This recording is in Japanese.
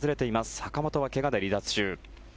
坂本は怪我で離脱中。